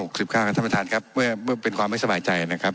ครับท่านประธานครับเมื่อเป็นความไม่สบายใจนะครับ